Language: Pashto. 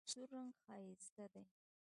سور رنګ ښایسته دی.